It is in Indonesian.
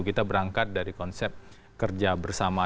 kita berangkat dari konsep kerja bersama